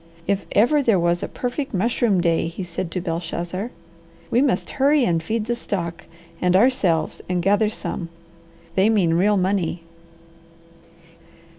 "If ever there was a perfect mushroom day!" he said to Belshazzar. "We must hurry and feed the stock and ourselves and gather some. They mean real money."